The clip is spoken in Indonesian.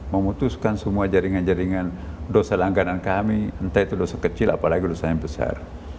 memutuskan semua jaringan jaringan dosa langganan kami entah itu dosa kecil apalagi dosa yang besar